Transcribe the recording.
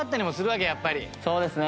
そうですね。